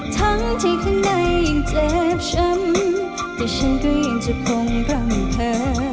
ทั้งที่ข้างในยังเจ็บช้ำแต่ฉันก็ยังจะคงร่ำเธอ